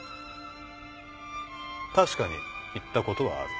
確かに言ったことはある。